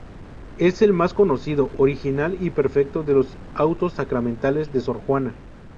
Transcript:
Es el más conocido, original y perfecto de los autos sacramentales de Sor Juana.